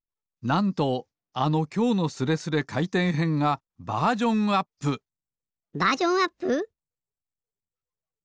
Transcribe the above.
なんとあの「きょうのスレスレかいてんへん」がバージョンアップバージョンアップ！？